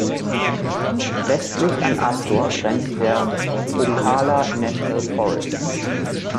Westlich an Astor grenzt der Ocala National Forest.